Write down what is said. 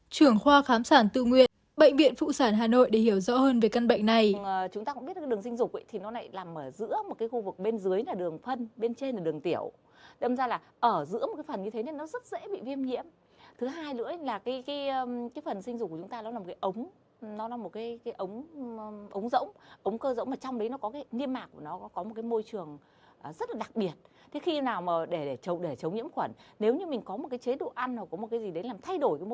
trưởng khoa khám sản tư nguyên bệnh viện phụ sản hà nội để hiểu rõ hơn về căn bệnh này